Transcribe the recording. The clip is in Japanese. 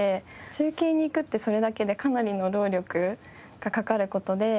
中継に行くってそれだけでかなりの労力がかかる事で。